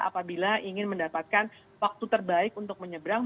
apabila ingin mendapatkan waktu terbaik untuk menyeberang